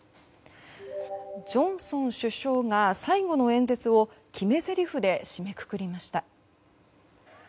ジョンソン首相が最後の演説を決めぜりふで締めくくりました。